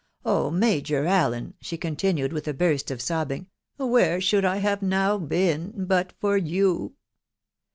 ... Oh ! Major Allen/' she continued with a burst of sobbing, " where should I have now been .... hut for you